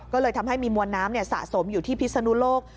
ก็เลยทำให้มีมวลน้ำสะสมอยู่ที่พิศนุโลก